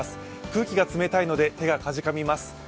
空気が冷たいので手がかじかみます。